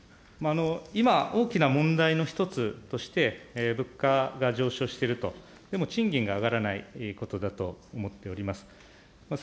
今、大きな問題の一つとして物価が上昇していると、でも賃金が上がらないことだと思っております。